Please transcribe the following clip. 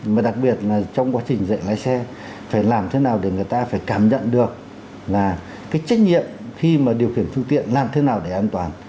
mà đặc biệt là trong quá trình dạy lái xe phải làm thế nào để người ta phải cảm nhận được là cái trách nhiệm khi mà điều khiển phương tiện làm thế nào để an toàn